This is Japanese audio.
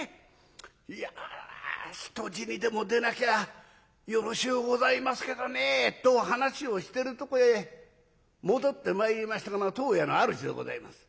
いや人死にでも出なきゃよろしゅうございますけどね」と話をしてるとこへ戻ってまいりましたのが当家のあるじでございます。